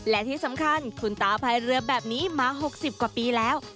และที่สำคัญคุณตาพายเรือแบบนี้มา๖๐กว่าปีแล้ว